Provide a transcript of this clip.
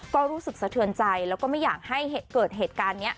ก็รู้สึกสะเทือนใจแล้วก็ไม่อยากให้เกิดเหตุการณ์นี้